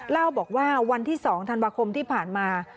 เล่าบอกว่าวันที่๒ธันวาคมที่ผ่านมา